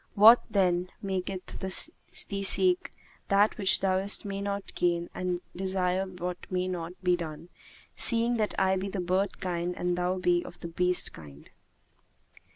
What, then, maketh thee seek that which thou mayst not gain and desire what may not be done, seeing that I be of the bird kind and thou be of the beast kind?